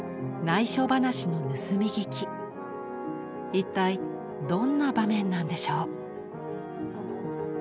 一体どんな場面なんでしょう？